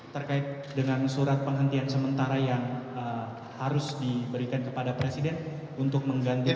terkait dengan surat penghentian sementara yang harus diberikan kepada presiden untuk menggantikan